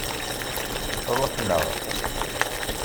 Ṛuḥen-aɣ.